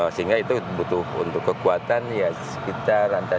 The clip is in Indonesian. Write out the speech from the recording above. sehingga itu butuh untuk kekuatan ya kita rancang